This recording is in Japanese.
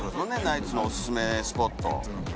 ナイツのおすすめスポット。